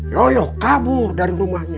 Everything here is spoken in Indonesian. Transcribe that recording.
yoyoh kabur dari rumahnya